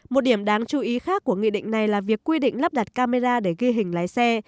một điểm đáng chú ý khác của nghị định này là việc quy định lắp đặt camera để ghi hình lái xe